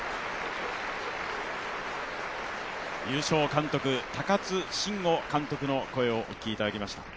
優勝監督、高津臣吾監督の声をお聞きいただきました。